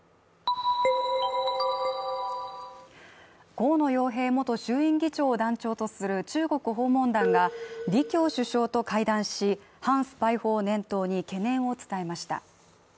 河野洋平元衆院議長団長とする中国訪問団が李強首相と会談し、反スパイ法を念頭に懸念を伝えました。